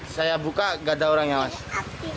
saya buka nggak ada orang yang waspada